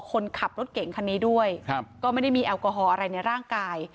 คนขับรถเก่งคันนี้ด้วยครับก็ไม่ได้มีแอลกอฮอล์อะไรในร่างกาย